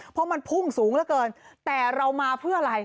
เพราะมันพุ่งสูงเหลือเกินแต่เรามาเพื่ออะไร